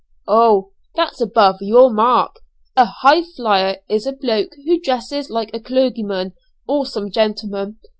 "Oh! that's above your mark, a 'highflyer' is a bloke who dresses like a clergyman, or some gentleman.